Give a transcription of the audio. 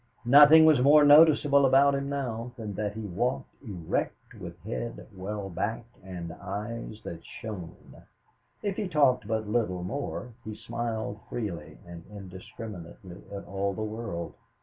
Nothing was more noticeable about him now than that he walked erect with head well back and eyes that shone. If he talked but little more, he smiled freely and indiscriminately at all the world.